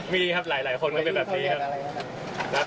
มีครับหลายคนมันเป็นแบบนี้ครับ